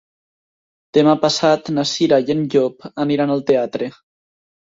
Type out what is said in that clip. Demà passat na Cira i en Llop aniran al teatre.